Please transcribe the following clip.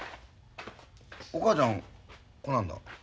お母ちゃん来なんだ？